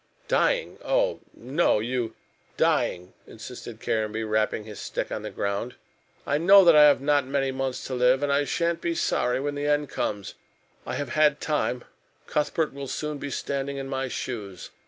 "Dying oh, no, you " "Dying," insisted Caranby, rapping his stick on the ground. "I know that I have not many months to live, and I sha'n't be sorry when the end comes. I have had a hard time. Cuthbert will soon be standing in my shoes.